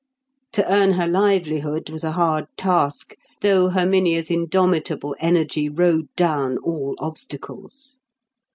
To earn her livelihood was a hard task, though Herminia's indomitable energy rode down all obstacles.